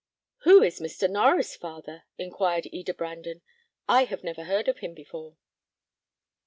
"Who is Mr. Norries, father?" inquired Eda Brandon. "I never heard of him before."